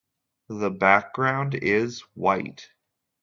The background is white.